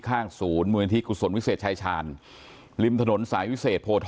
ข้างศูนย์มูลนิธิกุศลวิเศษชายชาญริมถนนสายวิเศษโพธา